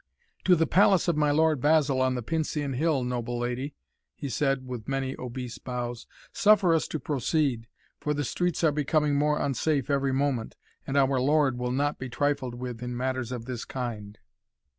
"To the palace of my Lord Basil on the Pincian Hill, noble lady," he said with many obese bows. "Suffer us to proceed, for the streets are becoming more unsafe every moment and our lord will not be trifled with in matters of this kind."